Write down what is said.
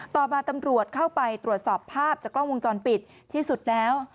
ต่อมาตำรวจเข้าไปตรวจสอบภาพจากกล้องวงจรปิดที่สุดแล้ว